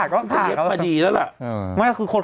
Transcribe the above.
ขโบร์ดสีนเพื่อน